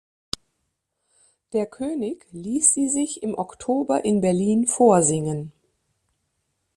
Der König ließ sie sich im Oktober in Berlin vorsingen.